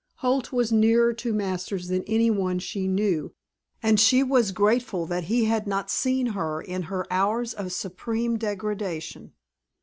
Holt was nearer to Masters than any one she knew, and she was grateful that he had not seen her in her hours of supreme degradation.